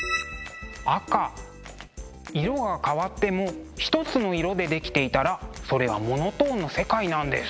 色が変わってもひとつの色で出来ていたらそれはモノトーンの世界なんです。